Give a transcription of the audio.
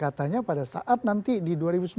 katanya pada saat nanti di dua ribu sembilan belas